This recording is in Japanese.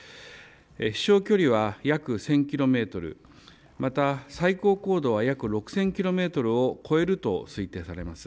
飛しょう距離は約１０００キロメートル、また最高高度は約６０００キロメートルを超えると推定されます。